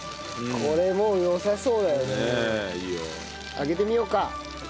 上げてみようか。